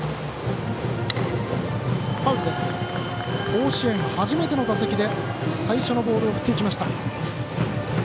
甲子園初めての打席で最初のボールを振っていきました。